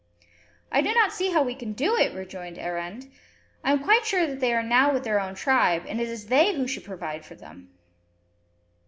"I do not see how we can do it," rejoined Arend; "I'm quite sure that they are now with their own tribe, and it is they who should provide for them."